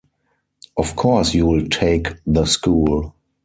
Of course you’ll take the school.